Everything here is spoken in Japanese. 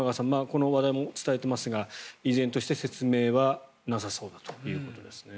この話題も伝えてますが依然として説明はなさそうだということですね。